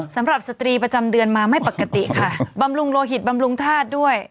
สตรีประจำเดือนมาไม่ปกติค่ะบำรุงโลหิตบำรุงธาตุด้วย